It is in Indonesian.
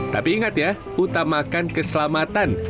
tapi ingat ya utamakan keselamatan